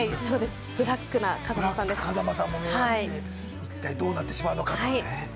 ブラック風間さんが見られますし、一体どうなってしまうのか。